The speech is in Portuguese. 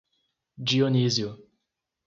Dionísio